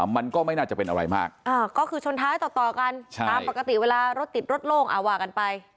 มันก็ไม่น่าจะเป็นอะไรมากก็คือชนท้ายต่อกันตามปกติเวลารถติดรถโล่งว่ากันไป